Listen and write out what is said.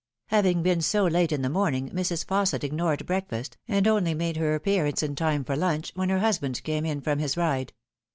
Having been s> late in the morning, Mrs. Fausset ignored breakfast, and only made her appearance in time for lunch, when her husband came in from his ride.